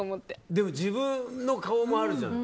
でも自分の顔もあるじゃん。